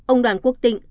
ông đoàn quốc tịnh